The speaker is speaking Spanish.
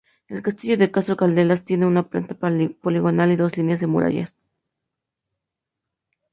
El castillo de Castro Caldelas tiene una planta poligonal y dos líneas de murallas.